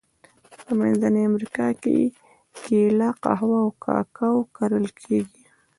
په منځنۍ امریکا کې کېله، قهوه او کاکاو کرل کیږي.